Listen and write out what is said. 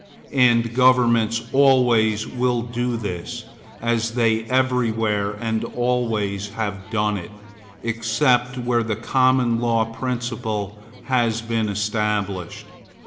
And governments always will do this, as they everywhere and always have done it, except where the Common Law principle has been established.